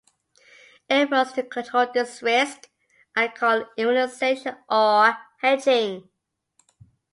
Efforts to control this risk are called immunization or hedging.